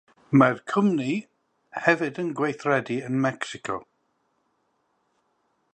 Mae'r cwmni hefyd yn gweithredu ym Mecsico.